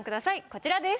こちらです。